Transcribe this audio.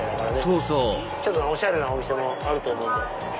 そうそうちょっとおしゃれなお店もあると思うので。